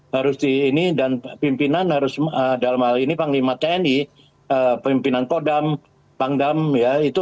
harus di ini dan pimpinan harus dalam hal ini panglima tni pimpinan kodam pangdam ya itu